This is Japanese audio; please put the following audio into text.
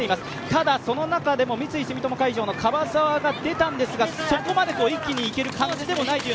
ただ、その中でも三井住友海上の樺沢が出たんですがそこまで一気に行ける感じでもないという。